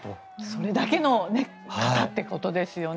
それだけの方ということですよね。